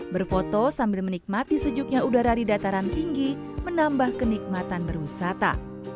berfoto sambil menikmati sejuknya udara di dataran tinggi menambah kenikmatan berwisata